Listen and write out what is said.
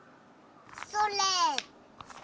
それ！